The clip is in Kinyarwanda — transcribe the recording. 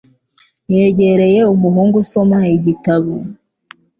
Yegereye umuhungu usoma igitabo